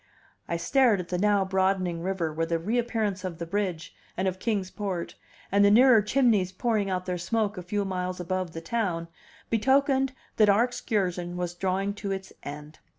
I stared at the now broadening river, where the reappearance of the bridge, and of Kings Port, and the nearer chimneys pouring out their smoke a few miles above the town, betokened that our excursion was drawing to its end.